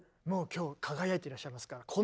もう今日輝いてらっしゃいますから。